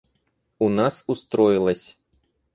У нас устроилось.